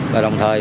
và đồng thời